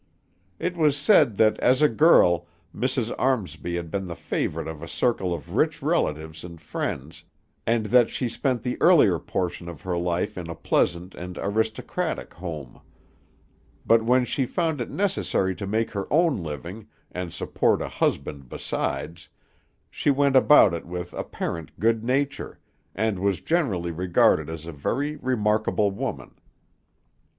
It was said that as a girl Mrs. Armsby had been the favorite of a circle of rich relatives and friends, and that she spent the earlier portion of her life in a pleasant and aristocratic home; but when she found it necessary to make her own living, and support a husband besides, she went about it with apparent good nature, and was generally regarded as a very remarkable woman.